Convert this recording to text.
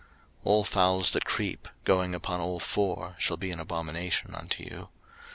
03:011:020 All fowls that creep, going upon all four, shall be an abomination unto you.